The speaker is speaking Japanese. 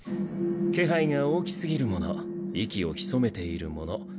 気配が大きすぎるもの息を潜めているもの